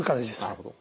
なるほど。